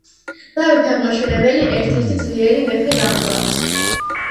დავით აღმაშენებელი ერთ ერთი ძლიერი მეფე გახლავდათ